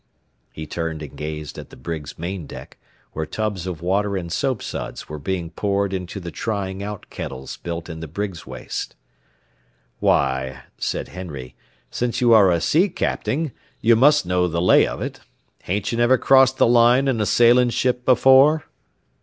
He turned and gazed at the brig's main deck, where tubs of water and soapsuds were being poured into the trying out kettles built in the brig's waist. "Why," said Henry, "since you are a sea capting, you must know the lay of it. Hain't you never crossed the line in a sailin' ship before?"